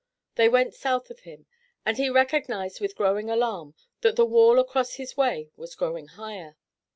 They went south of him, and he recognized with growing alarm that the wall across his way was growing higher.